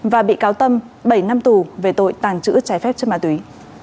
và bị cáo tâm bảy năm tù về tội tàng trữ trái phép chất ma túy